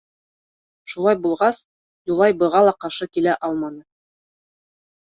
Шулай булғас, Юлай быға ла ҡаршы килә алманы.